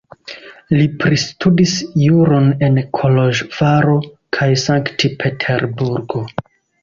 Li pristudis juron en Koloĵvaro kaj Sankt-Peterburgo.